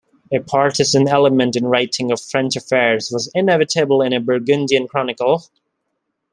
A partisan element in writing of French affairs was inevitable in a Burgundian chronicle.